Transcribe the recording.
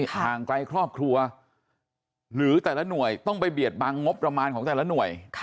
ห่างไกลครอบครัวหรือแต่ละหน่วยต้องไปเบียดบังงบประมาณของแต่ละหน่วย